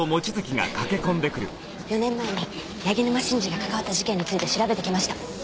４年前に柳沼真治が関わった事件について調べてきました。